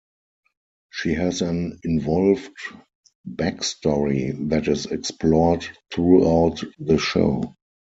She has an involved back story that is explored throughout the show.